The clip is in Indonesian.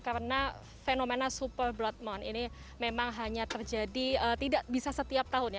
karena fenomena super bulat moon ini memang hanya terjadi tidak bisa setiap tahun ya